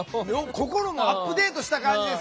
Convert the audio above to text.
心もアップデートした感じですがさあ